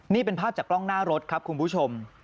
นี่เป็นภาพจากกล้องหน้ารถครับคุณผู้ชม